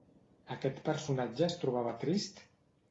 Aquest personatge es trobava trist?